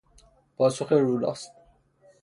پاسخ روراست